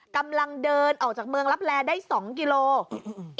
กำลังเดินออกจากเมืองลับแลได้๒กิโลกรัม